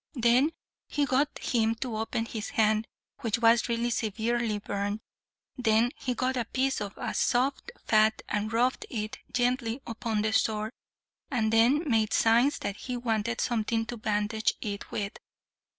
Then he got him to open his hand, which was really severely burned. Then he got a piece of soft fat and rubbed it gently upon the sore, and then made signs that he wanted something to bandage it with.